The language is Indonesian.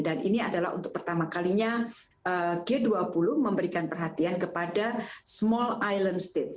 dan ini adalah untuk pertama kalinya g dua puluh memberikan perhatian kepada small island states